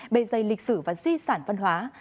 bề dày lịch sử và di sản văn hóa